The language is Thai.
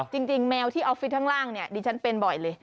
จริงแมวที่ออฟฟิศข้างล่างดิฉันเป็นบ่อยเลย